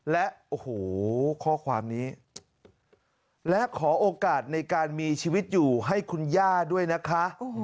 และโอ้โหข้อความนี้และขอโอกาสในการมีชีวิตอยู่ให้คุณย่าด้วยนะคะ